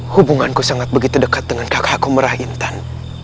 hubunganku sangat begitu dekat dengan kakakku merahintan